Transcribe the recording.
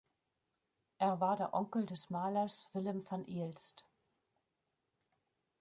Er war der Onkel des Malers Willem van Aelst.